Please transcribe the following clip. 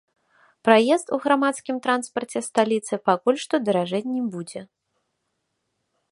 Праезд у грамадскім транспарце сталіцы пакуль што даражэць не будзе.